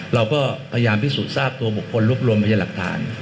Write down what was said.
เราก็พยายามพิสูจน์ทราบตัวบุคคลรวบรวมพยาหลักฐาน